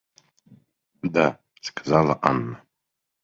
Да, — сказала Анна.